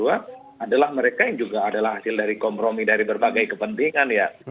adalah mereka yang juga adalah hasil dari kompromi dari berbagai kepentingan ya